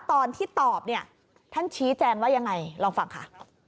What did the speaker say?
ตอนที่ตอบเนี่ยท่านชี้แจงว่ายังไงลองฟังค่ะ